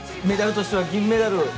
メダルとしては銀メダル。